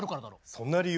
そんな理由？